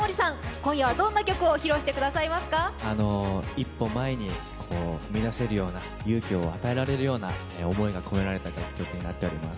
一歩前に踏み出せるような勇気を与えられるような思いが込められた曲になっています。